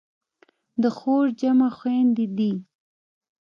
د خور جمع خویندې دي.